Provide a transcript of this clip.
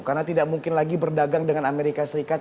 karena tidak mungkin lagi berdagang dengan amerika serikat